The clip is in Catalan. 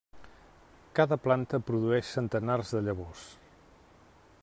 Cada planta produeix centenars de llavors.